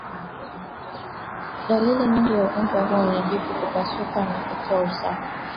Dalili nyingine ya ugonjwa huu ni jipu kupasuka na kutoa usaha